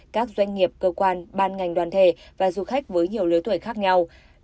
các doanh nghiệp cơ quan ban ngành đoàn thể và du khách với nhiều lứa tuổi khác nhau